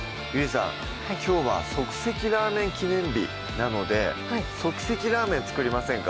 きょうは即席ラーメン記念日なので即席ラーメン作りませんか？